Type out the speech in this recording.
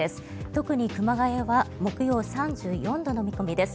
特に熊谷は木曜、３４度の見込みです。